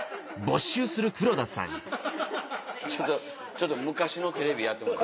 ちょっと昔のテレビやってもうた。